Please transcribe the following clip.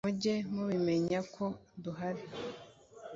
mujye mubimenya ko duhari